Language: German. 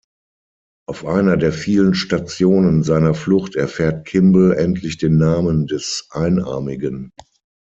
Auf einer der vielen Stationen seiner Flucht erfährt Kimble endlich den Namen des Einarmigen.